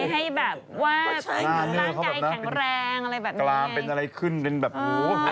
ให้แบบว่าร่างกายแข็งแรงอะไรแบบนี้